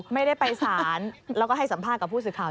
ไม่ได้ไปสารแล้วก็ให้สัมภาษณ์กับผู้สื่อข่าว